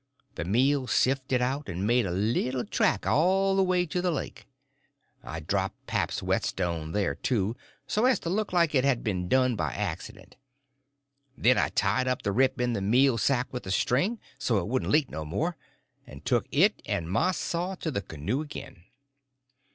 The meal sifted out and made a little track all the way to the lake. I dropped pap's whetstone there too, so as to look like it had been done by accident. Then I tied up the rip in the meal sack with a string, so it wouldn't leak no more, and took it and my saw to the canoe again.